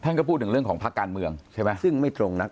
แฮนก็พูดถึงเรื่องของภักดาลเมืองใช่ไหม